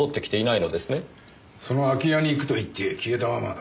その空き家に行くと言って消えたままだ。